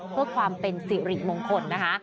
เพื่อความเป็นสิริมงคลนะคะ